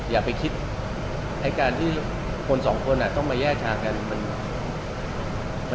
อย่าไปคิดในการที่คนสองคนอยากมาแยกทาง